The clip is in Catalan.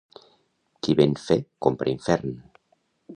Qui ven fe compra infern.